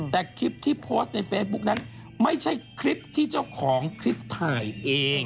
แต่คลิปที่โพสต์ในเฟซบุ๊กนั้นไม่ใช่คลิปที่เจ้าของคลิปถ่ายเอง